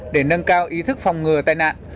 để nâng cao ý thức phòng ngừa tai nạn